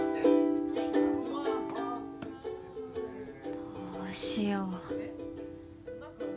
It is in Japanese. どうしよう。